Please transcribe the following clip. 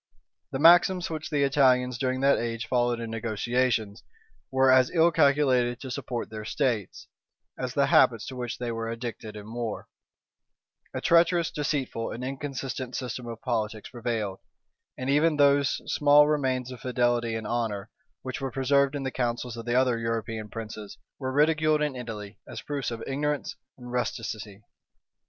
The maxims which the Italians during that age followed in negotiations, were as ill calculated to support their states, as the habits to which they were addicted in war: a treacherous, deceitful, and inconsistent system of politics prevailed; and even those small remains of fidelity and honor, which were preserved in the councils of the other European princes, were ridiculed in Italy, as proofs of ignorance and rusticity.